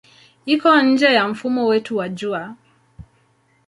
Iko nje ya mfumo wetu wa Jua.